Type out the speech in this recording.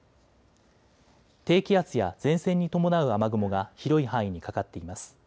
低気圧や前線に伴う雨雲が広い範囲にかかっています。